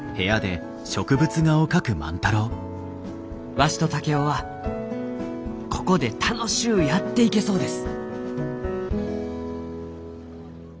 「わしと竹雄はここで楽しゅうやっていけそうです」。